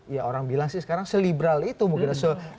ya orang bilang sih sekarang se liberal itu mungkin